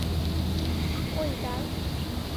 ওই, ডার্ক!